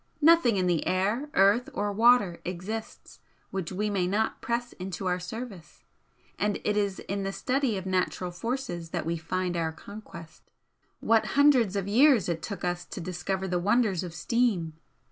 Nothing in the air, earth or water exists which we may not press into our service, and it is in the study of natural forces that we find our conquest. What hundreds of years it took us to discover the wonders of steam!